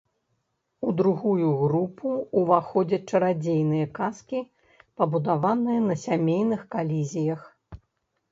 У другую групу ўваходзяць чарадзейныя казкі, пабудаваныя на сямейных калізіях.